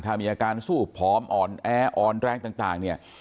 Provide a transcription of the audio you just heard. ถ้ามีอาการสู้ผอมอ่อนแออ่อนแรงต่างเนี่ย